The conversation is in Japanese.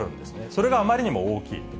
それがあまりにも大きい。